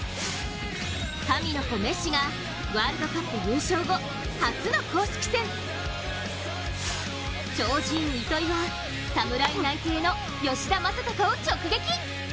神の子メッシがワールドカップ優勝後、初の公式戦超人・糸井は、侍内定の吉田正尚を直撃！